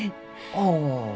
ああ。